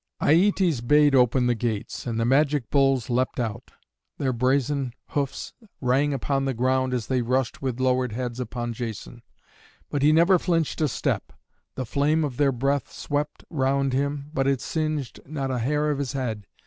Aietes bade open the gates, and the magic bulls leapt out. Their brazen hoofs rang upon the ground as they rushed with lowered heads upon Jason, but he never flinched a step. The flame of their breath swept round him, but it singed not a hair of his head.